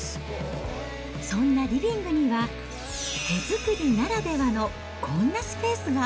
そんなリビングには、手作りならではのこんなスペースが。